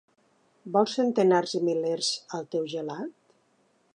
Vols centenars i milers al teu gelat?